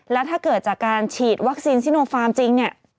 แล้วถ้าเกิดจากการฉีดวัคซีนซิโนฟาร์มจริงเนี่ย